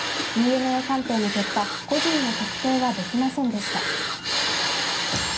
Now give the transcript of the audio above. ＤＮＡ鑑定の結果、個人の特定はできませんでした。